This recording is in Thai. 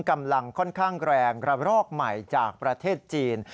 กำลังค่อนข้างแรงระรอกใหม่จากประเทศจีน